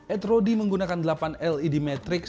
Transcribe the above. adrodi menggunakan delapan led matrix